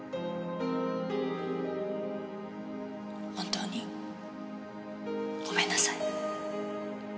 本当にごめんなさい。